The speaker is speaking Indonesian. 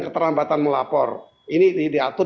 keterlambatan melapor ini diatur